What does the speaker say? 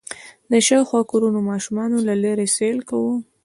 د شاوخوا کورونو ماشومانو له لېرې سيل کوه.